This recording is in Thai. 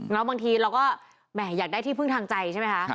แล้วบางทีเราก็แหมอยากได้ที่พึ่งทางใจใช่ไหมคะ